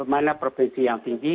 mana provinsi yang tinggi